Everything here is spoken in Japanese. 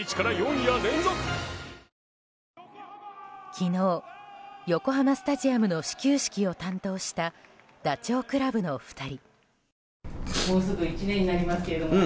昨日、横浜スタジアムの始球式を担当したダチョウ倶楽部の２人。